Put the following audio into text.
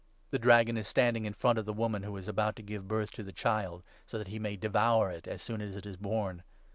The Dragon is standing in front of the woman who is about to give birth to the child, so that he may devour it as soon as it is born.